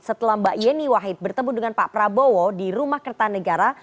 setelah mbak yeni wahid bertemu dengan pak prabowo di rumah kertanegara